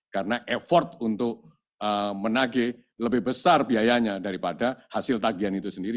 karena effort untuk menagi lebih besar biayanya daripada hasil tagian itu sendiri